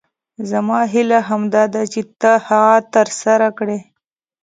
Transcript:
زما هیله همدا ده چې ته هغه تر سره کړې.